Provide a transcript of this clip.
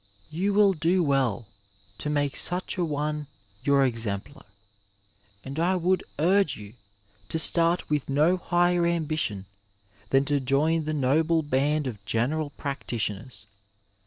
Tou will do well to make such an one your ex emplar, and I would urge you to start with no higher am bition than to join the noble band of general practitioners.